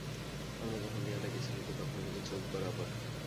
আমরা যখন দেয়ালে কিছু লিখি তখন লিখি চোখ বরাবর।